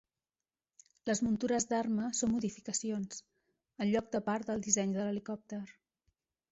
Les muntures d'armes són modificacions, en lloc de part del disseny de l'helicòpter.